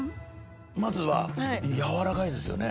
まずは軟らかいですよね。